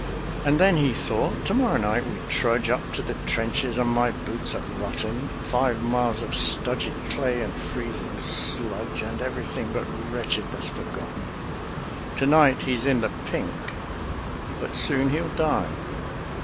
And then he thought: to morrow night we trudge Up to the trenches, and my boots are rotten. Five miles of stodgy clay and freezing sludge, And everything but wretchedness forgotten. To night he's in the pink; but soon he'll die.